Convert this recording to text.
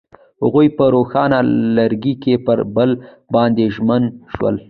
هغوی په روښانه لرګی کې پر بل باندې ژمن شول.